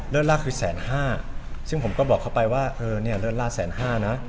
เลิศล่าคือแสนห้าซึ่งผมก็บอกเขาไปว่าเลิศล่าแสนห้านะ